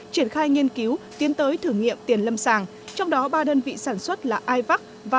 triển khai nghiên cứu tiến tới thử nghiệm tiền lâm sàng trong đó ba đơn vị sản xuất là ivac và